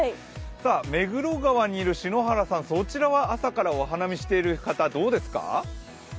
目黒川にいる篠原さん、そちらは朝からお花見している人どうですか？